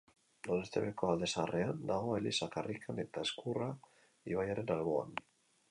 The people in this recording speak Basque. Doneztebeko Alde Zaharrean dago, Eliza karrikan, eta Ezkurra ibaiaren alboan.